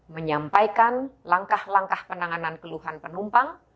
menyampaikan langkah langkah penanganan keluhan penumpang